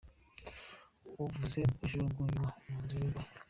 – Uvuze ajugunywa mu nzu y’imbohe ;